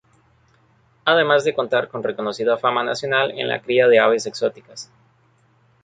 Además de contar con reconocida fama nacional en la cría de aves exóticas.